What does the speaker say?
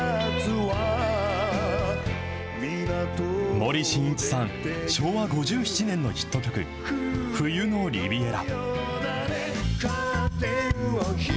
森進一さん、昭和５７年のヒット曲、冬のリヴィエラ。